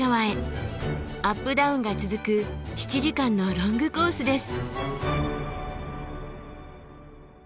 アップダウンが続く７時間のロングコースです。